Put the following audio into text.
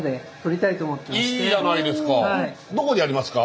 どこでやりますか？